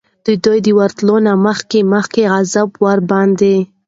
د دوی د ورتلو نه مخکي مخکي عذاب ورباندي